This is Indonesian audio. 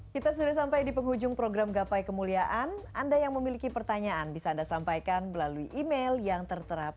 kita sudah sampai di penghujung program gapai kemuliaan anda yang memiliki pertanyaan bisa anda sampaikan melalui email yang tertera